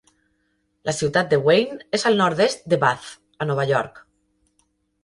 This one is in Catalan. La ciutat de Wayne és al nord-est de Bath, a Nova York.